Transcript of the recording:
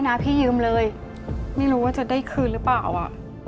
นะพี่ยืมเลยไม่รู้ว่าจะได้คืนหรือเปล่าอ่ะ